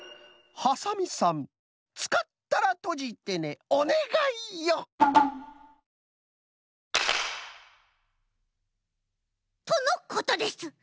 「ハサミさんつかったらとじてねおねがいよ」。とのことです。